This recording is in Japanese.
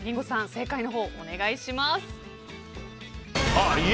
正解をお願いします。